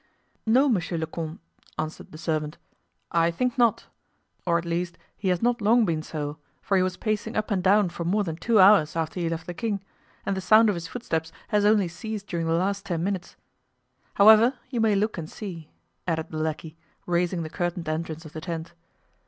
"No, monsieur le comte," answered the servant, "I think not; or at least he has not long been so, for he was pacing up and down for more than two hours after he left the king, and the sound of his footsteps has only ceased during the last ten minutes. However, you may look and see," added the lackey, raising the curtained entrance of the tent.